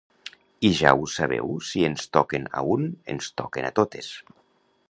I ja ho sabeu si ens toquen a un ens toquen a totes.